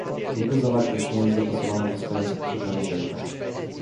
Jego zawartość nie jest dopasowana do stojących przed nami wyzwań